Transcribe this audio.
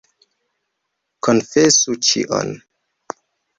Konfesu ĉion.